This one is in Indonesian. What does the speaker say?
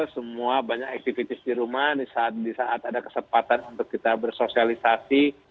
semua banyak activis di rumah di saat ada kesempatan untuk kita bersosialisasi